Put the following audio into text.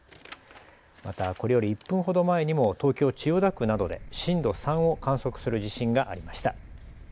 また、これより１分ほど前にも東京千代田区などで震度３を観測する地震がありました。